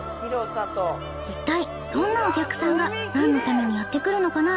いったいどんなお客さんが何のためにやってくるのかな？